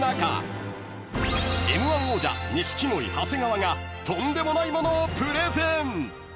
［『Ｍ−１』王者錦鯉長谷川がとんでもない物をプレゼン！］